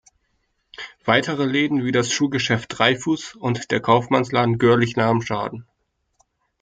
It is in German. Weitere Läden wie das Schuhgeschäft Dreyfus und der Kaufmannsladen Görlich nahmen Schaden.